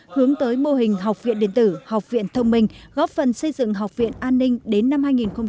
hướng tới mô hình học viện điện tử học viện thông minh góp phần xây dựng học viện an ninh đến năm hai nghìn hai mươi